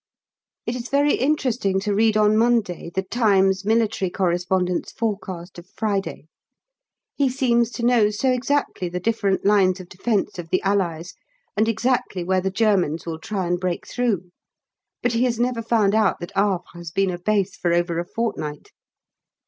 It is very interesting to read on Monday the 'Times' Military Correspondent's forecast of Friday. He seems to know so exactly the different lines of defence of the Allies, and exactly where the Germans will try and break through. But he has never found out that Havre has been a base for over a fortnight.